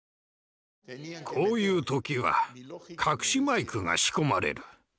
こういう時は隠しマイクが仕込まれる。